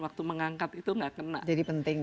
waktu mengangkat itu nggak kena jadi penting